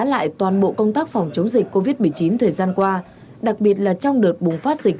lại toàn bộ công tác phòng chống dịch covid một mươi chín thời gian qua đặc biệt là trong đợt bùng phát dịch